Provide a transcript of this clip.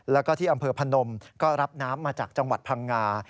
แล้วก็ที่อำเภอพนมก็รับน้ำมาจากจังหวัดพังงา